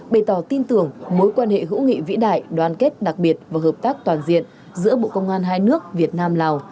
bày tỏ tin tưởng mối quan hệ hữu nghị vĩ đại đoàn kết đặc biệt và hợp tác toàn diện giữa bộ công an hai nước việt nam lào